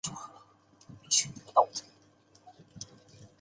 咸丰元年改临榆县知县。